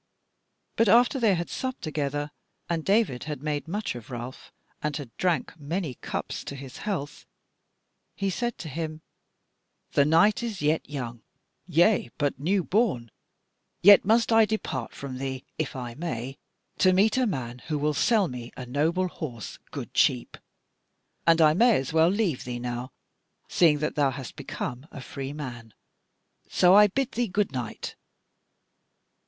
But after they had supped together, and David had made much of Ralph, and had drank many cups to his health, he said to him: "The night is yet young, yea, but new born; yet must I depart from thee, if I may, to meet a man who will sell me a noble horse good cheap; and I may well leave thee now, seeing that thou hast become a free man; so I bid thee goodnight."